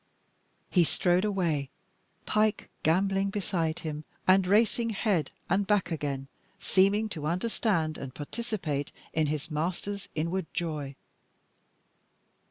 He strode away, Pike gambolling beside him, and racing ahead and back again, seeming to understand and participate in his master's inward joy.